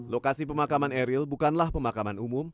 lokasi pemakaman eril bukanlah pemakaman umum